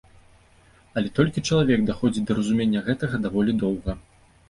Але толькі чалавек даходзіць да разумення гэтага даволі доўга.